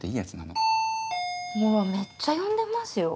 ほらめっちゃ呼んでますよ？